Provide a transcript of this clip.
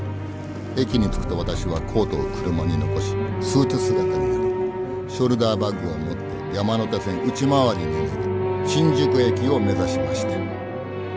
駅に着くと私はコートを車に残しスーツ姿になりショルダーバッグを持って山手線内回りに乗り新宿駅を目指しました。